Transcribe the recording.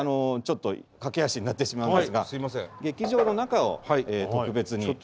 ちょっと駆け足になってしまうんですが劇場の中を特別に。